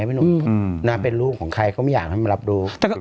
พี่หนุ่มนางเป็นลูกของใครก็ไม่อยากให้มารับรู้